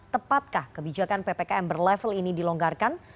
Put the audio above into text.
tepatkah kebijakan ppkm berlevel ini dilonggarkan